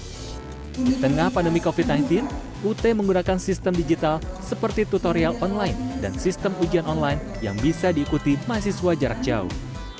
di tengah pandemi covid sembilan belas ut menggunakan sistem digital seperti tutorial online dan sistem ujian online yang bisa diikuti mahasiswa jarak jauh